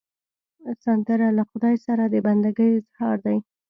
سندره له خدای سره د بندګي اظهار دی